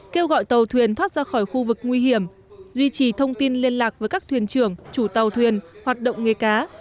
kêu gọi tàu thuyền thoát ra khỏi khu vực nguy hiểm duy trì thông tin liên lạc với các thuyền trưởng chủ tàu thuyền hoạt động nghề cá